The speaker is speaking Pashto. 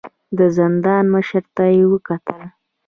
د زندان مشر ته يې وکتل.